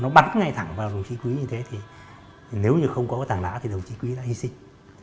nó bắn ngay thẳng vào đồng chí quý như thế thì nếu như không có cái tảng đá thì đồng chí quý đã hy sinh